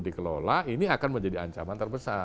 dikelola ini akan menjadi ancaman terbesar